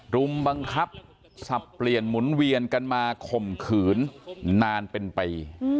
รุมบังคับสับเปลี่ยนหมุนเวียนกันมาข่มขืนนานเป็นปี